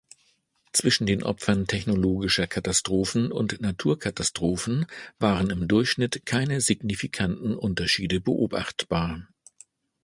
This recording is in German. Zwischen den Opfern technologischer Katastrophen und Naturkatastrophen waren im Durchschnitt keine signifikanten Unterschiede beobachtbar.